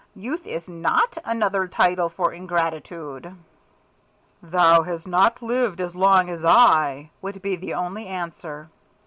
Youth is not another title for Ingratitude." "Thou hast not lived as long as I," would be the only answer.